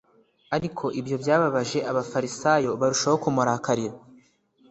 Ariko ibyo byababaje abafarisayo barushaho kumurakarira.